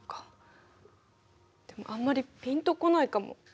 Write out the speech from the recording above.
でもあんまりピンと来ないかも。